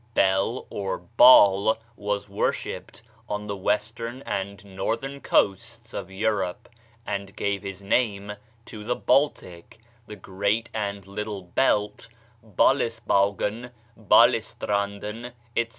Bel, or Baal, was worshipped on the western and northern coasts of Europe, and gave his name to the Baltic, the Great and Little Belt, Balesbaugen, Balestranden, etc.